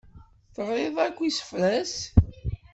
Teɣriḍ akk isefra-s?